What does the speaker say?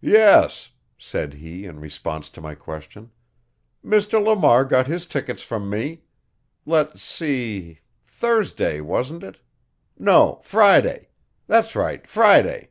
"Yes," said he in response to my question; "Mr. Lamar got his tickets from me. Let's see Thursday, wasn't it? No, Friday. That's right Friday."